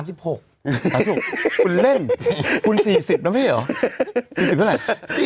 ถูกคุณเล่นคุณ๔๐นะไม่เหรอ